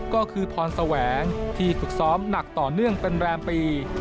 ก็คือพรแสวงที่ฝึกซ้อมหนักต่อเนื่องเป็นแรมปี